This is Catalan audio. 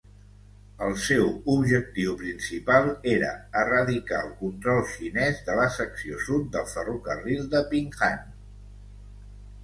El seu objectiu principal era eradicar el control xinès de la secció sud del ferrocarril de Ping-Han.